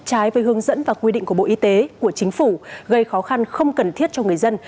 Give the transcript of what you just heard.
trái với hướng dẫn và quy định của bộ y tế của chính phủ gây khó khăn không cần thiết cho người dân